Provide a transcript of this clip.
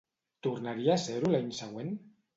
Tornaria a ser-ho l'any següent?